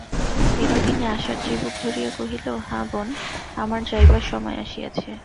বিনোদিনী আশার চিবুক ধরিয়া কহিল, হাঁ বোন, আমার যাইবার সময় আসিয়াছে।